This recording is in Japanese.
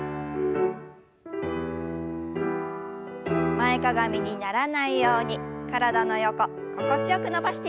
前かがみにならないように体の横心地よく伸ばしていきましょう。